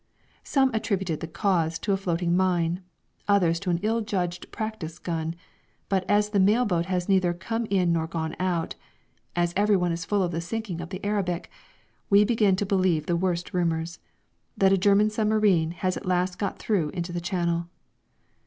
Some attributed the cause to a floating mine, others to an ill judged practice gun; but as the mail boat has neither come in nor gone out, as everyone is full of the sinking of the Arabic, we begin to believe the worst rumours that a German submarine has at last got through into the Channel.